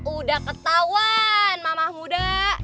udah ketauan mamah muda